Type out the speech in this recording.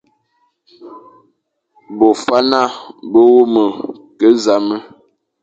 Bo faña me wume, ke zame,